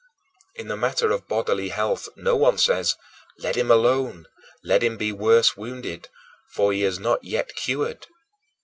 In the matter of bodily health, no one says, "Let him alone; let him be worse wounded; for he is not yet cured"!